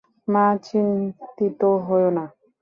মা, চিন্তিত হয়ো না।